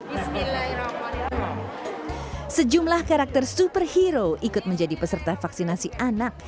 hai bismillahirrahmanirrahim sejumlah karakter superhero ikut menjadi peserta vaksinasi anak